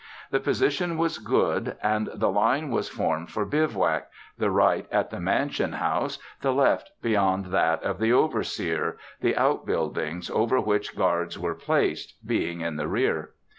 The position was good; and the line was formed for bivouac, the right at the mansion house, the left beyond that of the overseer, the out buildings, over which guards were placed, being in the rear.